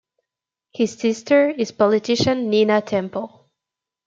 His sister is politician Nina Temple.